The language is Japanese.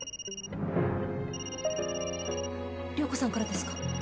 涼子さんからですか？